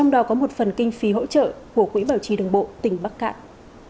đó là kinh phí hỗ trợ của quỹ bảo trì đồng bộ tỉnh bắc cạn